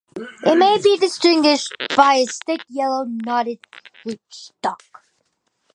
It may be distinguished by its thick, yellow knotted rootstock.